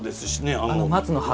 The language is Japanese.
あああの松の葉。